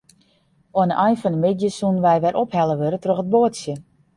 Oan 'e ein fan 'e middei soene wy wer ophelle wurde troch it boatsje.